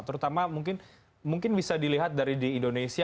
terutama mungkin bisa dilihat dari di indonesia